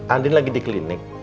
andin lagi di klinik